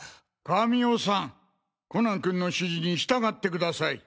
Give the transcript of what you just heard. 神尾さんコナン君の指示に従ってください。